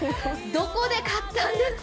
どこで買ったんですか？